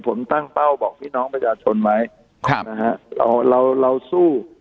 ผมตั้งเป้าบอกพี่น้องประชาชนไหมครับนะฮะเราเราเราสู้